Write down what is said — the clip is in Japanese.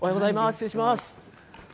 失礼します。